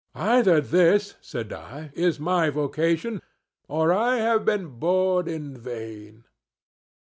"Either this," said I, "is my vocation, or I have been born in vain."